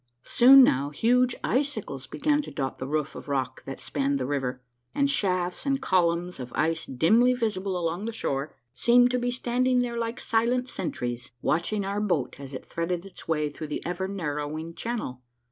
Soon now huge icicles began to dot the roof of rock that spanned the river, and shafts and columns of ice dimly visible along the shore seemed to be standing there like silent sentries, watching our boat as it threaded its way through the ever narrow ing channel.